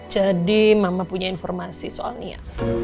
jadi mama punya informasi soal nia